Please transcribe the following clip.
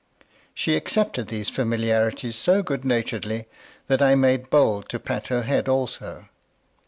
She accepted these familiarities so good naturedly that I made bold to pat her head also.